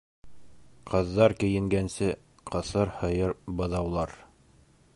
Ҡыҙҙар кейенгәнсе ҡыҫыр һыйыр быҙаулар.